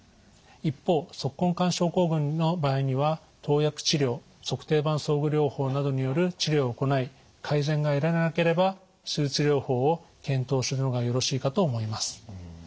一方足根管症候群の場合には投薬治療足底板装具療法などによる治療を行い改善が得られなければ手術療法を検討するのがよろしいかと思います。